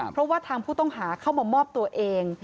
เพราะว่าทางผู้ต้องหาเข้ามามอบตัวเอง